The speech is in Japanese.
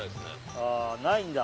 ああ無いんだ。